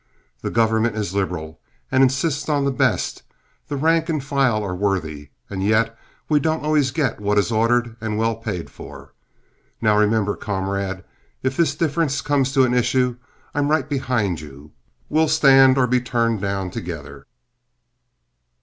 The government is liberal and insists on the best; the rank and file are worthy, and yet we don't always get what is ordered and well paid for. Now, remember, comrade, if this difference comes to an issue, I'm right behind you, and we'll stand or be turned down together."